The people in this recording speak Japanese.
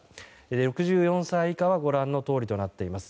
６４歳以下はご覧のとおりとなっています。